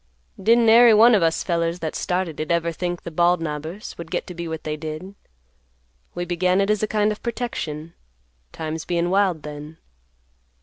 "Didn't ary one of us fellers that started it ever think the Bald Knobber's would get to be what they did. We began it as a kind of protection, times bein' wild then.